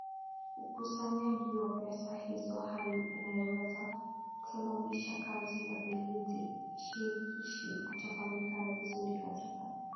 ukusanyaji wa pesa hizo hali inayoweza kusababisha kazi ya ulinzi shirikishi kutofanyika vizuri katika